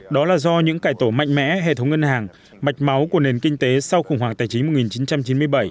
đó là do những cải tổ mạnh mẽ hệ thống ngân hàng mạch máu của nền kinh tế sau khủng hoảng tài chính một nghìn chín trăm chín mươi bảy